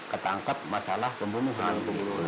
ketangkap masalah pembunuhan gitu